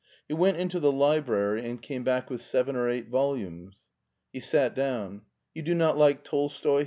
He went into the library SCHWARZWALD 265 and came back with seven or eight volumes. He sat down. " You do not like Tolstoi